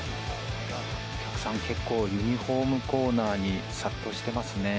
お客さん、結構、ユニホームコーナーに殺到してますね。